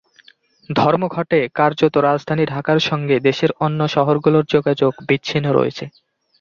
ধর্মঘটে কার্যত রাজধানী ঢাকার সঙ্গে দেশের অন্য শহরগুলোর যোগাযোগ বিচ্ছিন্ন রয়েছে।